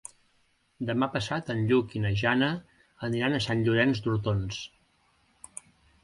Demà passat en Lluc i na Jana aniran a Sant Llorenç d'Hortons.